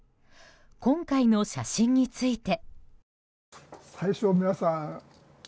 今回の写真について。